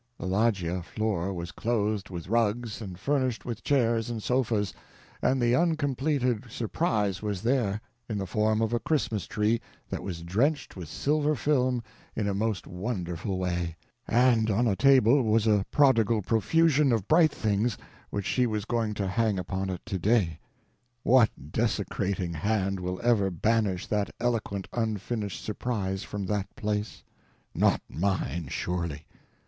The loggia floor was clothed with rugs and furnished with chairs and sofas; and the uncompleted surprise was there: in the form of a Christmas tree that was drenched with silver film in a most wonderful way; and on a table was a prodigal profusion of bright things which she was going to hang upon it today. What desecrating hand will ever banish that eloquent unfinished surprise from that place? Not mine, surely.